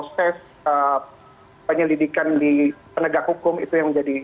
selamat malam pak